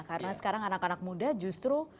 karena sekarang anak anak muda justru